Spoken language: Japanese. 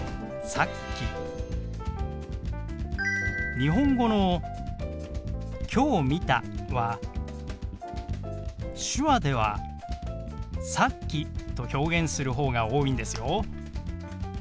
日本語の「きょう見た」は手話では「さっき」と表現するほうが多いんですよ。